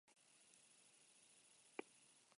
Zer gomendatuko zenioke jaialdira doanari?